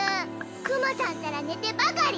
クマさんったら寝てばかり！